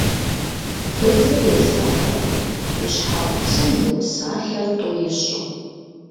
Фызыр есатэкъым и щхьэгъусэм и псалъэр тӏу ищӏу.